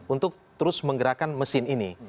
untuk terus menggerakkan mesin ini